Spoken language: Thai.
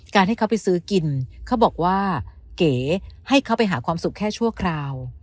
ให้เขาไปซื้อกินเขาบอกว่าเก๋ให้เขาไปหาความสุขแค่ชั่วคราว